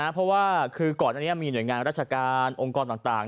เพราะว่าคือก่อนอันนี้มีหน่วยงานราชการองค์กรต่าง